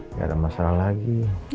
nggak ada masalah lagi